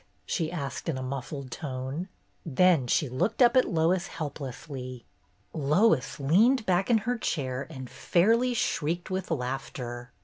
she asked in a muffled tone. Then she looked up at Lois helplessly. Lois leaned back in her chair and fairly shrieked with laughter.